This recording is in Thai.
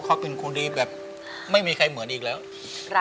เขาเป็นกูดีแบบไม่มีใครเหมือนสุดท่ายอีกแล้ว